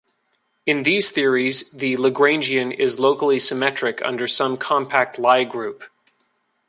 In these theories, the Lagrangian is locally symmetric under some compact Lie group.